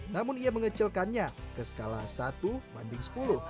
namun ia mengecilkannya ke skala satu banding sepuluh